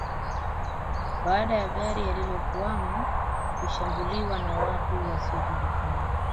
Baada ya gari alilokuwamo kushambuliwa na watu wasiojulikana